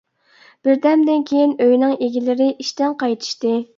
بىر دەمدىن كېيىن ئۆينىڭ ئىگىلىرى ئىشتىن قايتىشتى.